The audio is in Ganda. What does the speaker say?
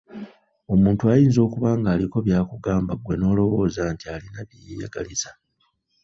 Omuntu ayinza okuba ng'aliko by'akugamba ggwe n'olowooza nti alina bye yeeyagaliza.